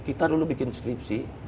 kita dulu bikin skripsi